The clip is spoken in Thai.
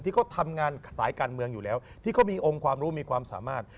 ที่เขาทำงานสายการเมืองอยู่แล้วที่เขามีองค์ความรู้มีความสามารถ